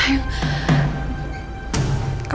hidupnya darle anaknya